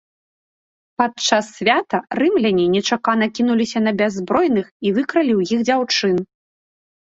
Падчас свята рымляне нечакана кінуліся на бяззбройных і выкралі ў іх дзяўчын.